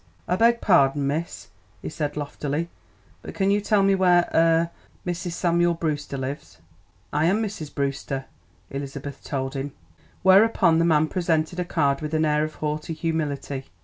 "I beg pawdon, miss," he said loftily; "but can you tell me where aw Mrs. Samuel Brewster lives?" "I am Mrs. Brewster." Elizabeth told him. Whereupon the man presented a card with an air of haughty humility.